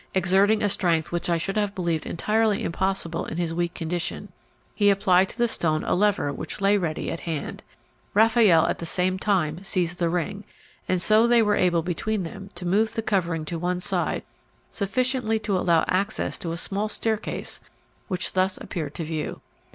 Exerting a strength which I should have believed entirely impossible in his weak condition, he applied to the stone a lever which lay ready at hand. Raffaelle at the same time seized the ring, and so they were able between them to move the covering to one side sufficiently to allow access to a small staircase which thus appeared to view.